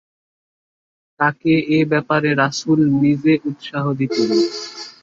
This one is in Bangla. তাকে এ ব্যাপারে রাসূল নিজে উৎসাহ দিতেন।